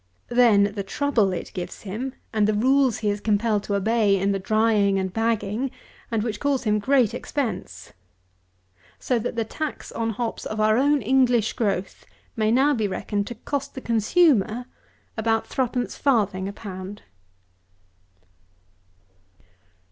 Then the trouble it gives him, and the rules he is compelled to obey in the drying and bagging, and which cause him great expense. So that the tax on hops of our own English growth, may now be reckoned to cost the consumer about 3 1/4_d._ a pound.